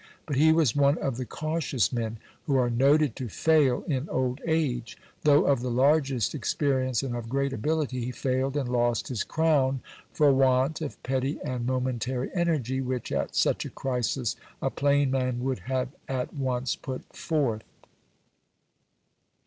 But he was one of the cautious men who are "noted" to fail in old age: though of the largest experience and of great ability, he failed and lost his crown for want of petty and momentary energy, which at such a crisis a plain man would have at once put forth.